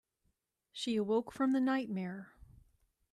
She awoke from the nightmare.